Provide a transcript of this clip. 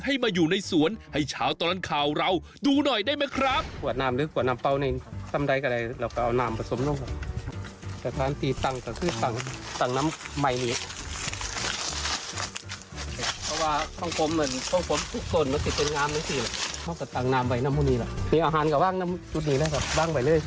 ให้มาอยู่ในสวนให้เช้าตลอดข่าวเราดูหน่อยได้ไหมครับ